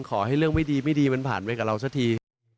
ขอให้เรื่องไม่ดีไม่ดีมันผ่านไปกับเราสักที